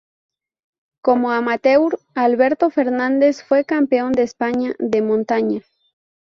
Como amateur, Alberto Fernández fue campeón de España de montaña.